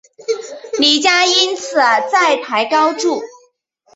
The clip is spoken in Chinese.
李家因此债台高筑。